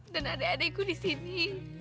dan ada adek adeku disini